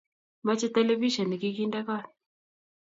Mache telepishen nikikinde kot.